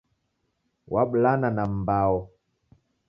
Wabulana na m'mbao.